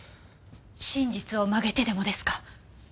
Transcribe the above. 真実を曲げてでもですか？